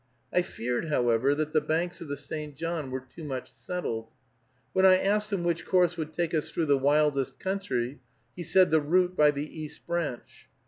I feared, however, that the banks of the St. John were too much settled. When I asked him which course would take us through the wildest country, he said the route by the East Branch.